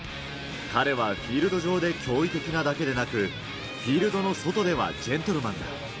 彼はフィールド上で驚異的なだけでなく、フィールドの外ではジェントルマンだ。